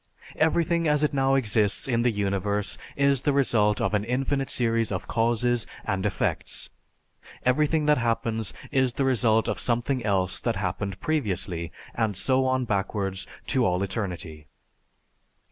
Everything as it now exists in the universe is the result of an infinite series of causes and effects. Everything that happens is the result of something else that happened previously and so on backwards to all eternity.